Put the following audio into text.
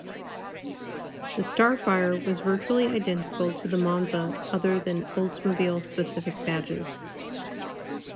The Starfire was virtually identical to the Monza other than Oldsmobile specific badges.